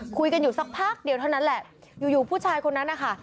คุยกันอยู่สักพักเดียวเท่านั้นแหละอยู่ผู้ชายคนนั้นนะคะ